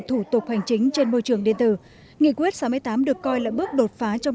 thủ tục hành chính trên môi trường điện tử nghị quyết sáu mươi tám được coi là bước đột phá trong